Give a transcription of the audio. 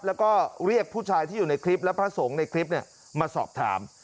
แล้วก็เรียกผู้ชายที่อยู่ในคลิปและพระสงฆ์ในคลิปมาสอบถาม